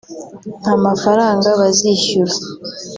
nta mafaranga bazishyura